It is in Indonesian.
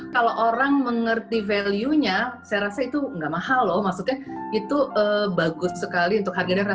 kalau orang mengerti value nya saya rasa itu nggak mahal loh maksudnya itu bagus sekali untuk harganya